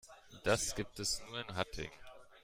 Das gibt es nur in Hattingen